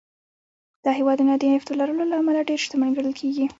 دا هېوادونه د نفتو لرلو له امله ډېر شتمن ګڼل کېږي.